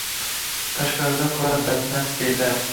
Tashqarida qolar badnafs devlar